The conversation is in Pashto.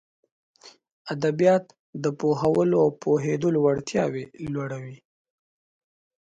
ادبيات د پوهولو او پوهېدلو وړتياوې لوړوي.